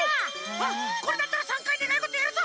あっこれだったら３かいねがいごといえるぞ！